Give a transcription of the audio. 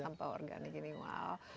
sampah organik ini wow